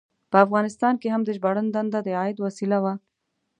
په افغانستان کې هم د ژباړن دنده د عاید وسیله وه.